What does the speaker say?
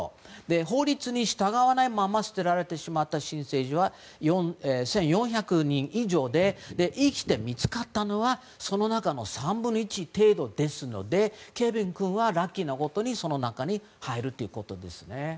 法律に従わないまま捨てられてしまった新生児は１４００人以上で生きて見つかったのはその中の３分の１程度ですのでケビン君はラッキーなことにその中に入るということですね。